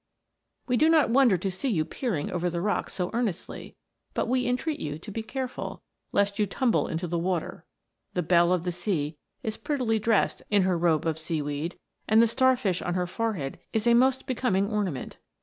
We do not wonder to see you peering over the rocks so earnestly, but we entreat you to be careful, lest you tumble into the water. The belle of the sea is prettily dressed in her robe of sea weed, and the star fish on her fore head is a most becoming ornament.